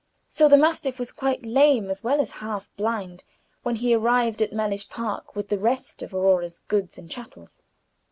So the mastiff was quite lame as well as half blind when he Page 59 arrived at Mellish Park with the rest of Aurora's goods and chattels.